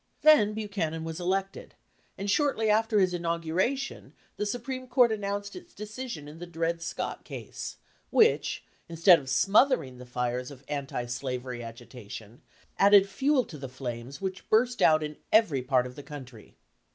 Then Buchanan was elected, and shortly after his in auguration the Supreme Court announced its decision in the Dred Scott case, which, instead of smothering the fires of anti slavery agitation, added fuel to the flames which burst out in every part of the country.